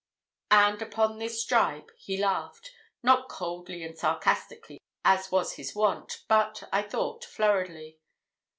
And upon this jibe he laughed, not coldly and sarcastically, as was his wont, but, I thought, flurriedly.